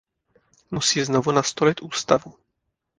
Musí znovu nastolit ústavu.